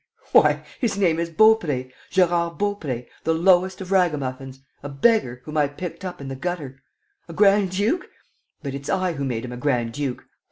Why, his name is Baupré, Gérard Baupré, the lowest of ragamuffins ... a beggar, whom I picked up in the gutter! ... A grand duke? But it's I who made him a grand duke!